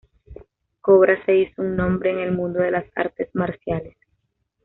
Kobra se hizo un nombre en el mundo de las artes marciales.